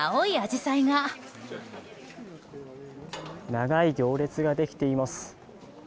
長い行列ができています。